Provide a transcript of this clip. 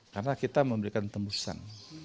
karena kita memberikan tembusan